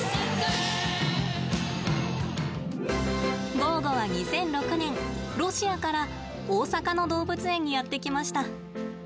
ゴーゴは２００６年、ロシアから大阪の動物園にやって来ました。